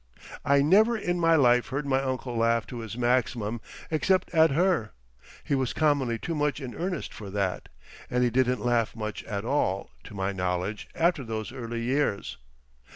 I never in my life heard my uncle laugh to his maximum except at her; he was commonly too much in earnest for that, and he didn't laugh much at all, to my knowledge, after those early years.